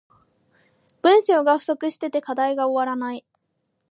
文章が不足してて課題が終わらない